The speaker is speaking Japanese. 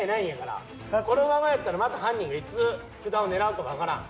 このままやったらまた犯人がいつ福田を狙うかもわからん。